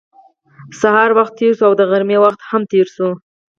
د ګهیځ وخت تېر شو او د غرمې هم تېر شو.